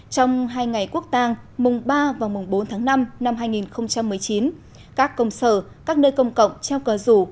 trong hai ngày quốc tàng mùng ba và mùng bốn tháng năm năm hai nghìn một mươi chín các công sở các nơi công cộng